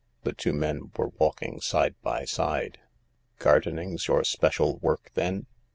The two men were walking side by side. " Gardening's your special work then